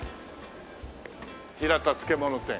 「平田漬物店」